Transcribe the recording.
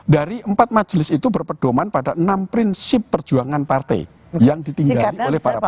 dari empat majelis itu berpedoman pada enam prinsip perjuangan partai yang ditinggali oleh para partai